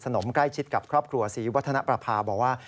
นมใกล้ชิดกับครอบครัวศรีวัฒนประภาบอกว่า